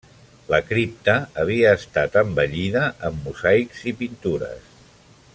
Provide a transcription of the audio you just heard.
La cripta havia estat embellida amb mosaics i pintures.